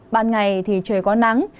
ban ngày thì trời có nắng